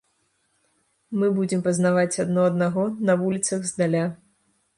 Мы будзем пазнаваць адно аднаго на вуліцах здаля.